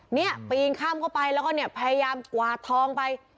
เนี่ยปีนข้ามเข้าไปแล้วก็เนี่ยพยายามกวาดทองไป